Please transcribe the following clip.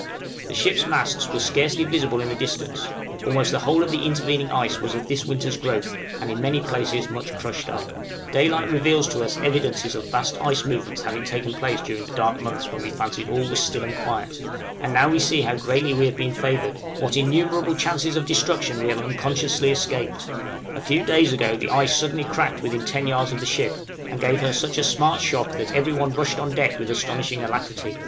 The ship's masts were scarcely visible in the distance; almost the whole of the intervening ice was of this winter's growth, and in many places much crushed up. {CONSTANT ACTION OF THE ICE.} Daylight reveals to us evidences of vast ice movements having taken place during the dark months when we fancied all was still and quiet; and we now see how greatly we have been favored, what innumerable chances of destruction we have unconsciously escaped! A few days ago the ice suddenly cracked within ten yards of the ship, and gave her such a smart shock that every one rushed on deck with astonishing alacrity.